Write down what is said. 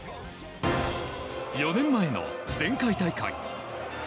４年前の前回大会。